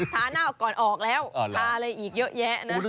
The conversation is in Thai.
ท่าหน้าออกแล้วท่าเลยอีกเยอะแยะ